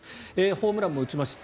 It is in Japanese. ホームランも打ちました。